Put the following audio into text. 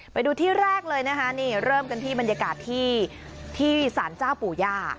ไปดูที่แรกเลยนะคะนี่เริ่มกันที่บรรยากาศที่สารเจ้าปู่ย่า